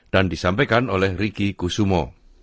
dan disampaikan oleh ricky kusumo